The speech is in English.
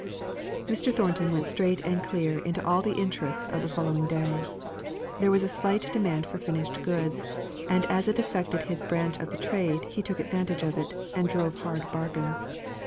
Mr. Thornton went straight and clear into all the interests of the following day. There was a slight demand for finished goods; and as it affected his branch of the trade, he took advantage of it, and drove hard bargains.